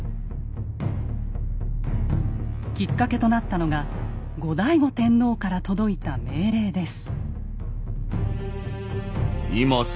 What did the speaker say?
きっかけとなったのが後醍醐天皇から届いた命令です。